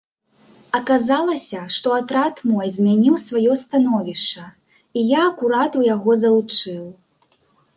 Аказалася, што атрад мой змяніў сваё становішча і я акурат у яго залучыў.